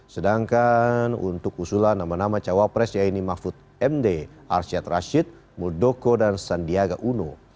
sedangkan untuk usulan nama nama cawapres yaitu mahfud md arsyad rashid muldoko dan sandiaga uno